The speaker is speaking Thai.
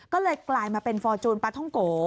ก็เลยกลายมาเป็นฟอร์จูนปลาท่องโก